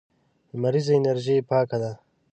لمريزه انرژي پاکه ده.